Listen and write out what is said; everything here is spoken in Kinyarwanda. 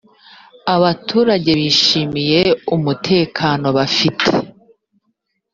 abaturage bishimiye umutekano bafite